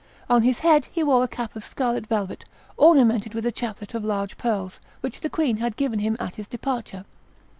On his head he wore a cap of scarlet velvet, ornamented with a chaplet of large pearls, which the queen had given him at his departure.